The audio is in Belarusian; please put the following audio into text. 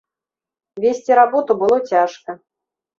Весці работу было цяжка.